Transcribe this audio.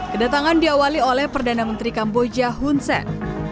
kedatangan diawali oleh perdana menteri kamboja hun sen